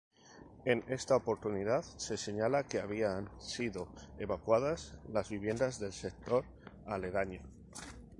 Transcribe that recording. En esta oportunidad se señala que habían sido evacuadas las viviendas del sector aledaño.